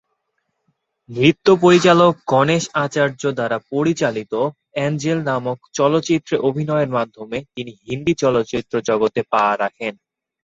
নৃত্য পরিচালক গণেশ আচার্য দ্বারা পরিচালিত "অ্যাঞ্জেল" নামক চলচ্চিত্রে অভিনয়ের মাধ্যমে তিনি হিন্দি চলচ্চিত্র জগতে পা রাখেন।